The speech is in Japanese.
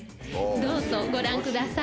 どうぞご覧ください。